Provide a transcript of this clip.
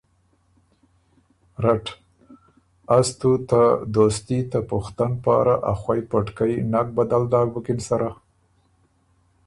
رټ: از تُو ته دوستي ته پُختن پاره ائ خوئ پټکئ نک بدل داک بُکِن سره؟